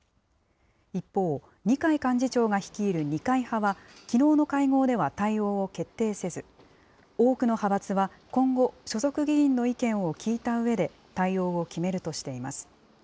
一方、二階幹事長が率いる二階派は、きのうの会合では対応を決定せず、多くの派閥は今後、所属議員の意見を聞いたうえで、対応を決めるとしています。